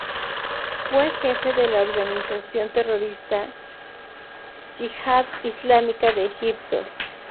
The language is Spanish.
Fue jefe de la organización terrorista Yihad Islámica de Egipto.